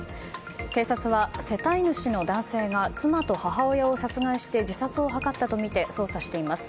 警察は世帯主の男性が妻と母親を殺害して自殺を図ったとみて捜査しています。